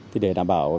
thì để đảm bảo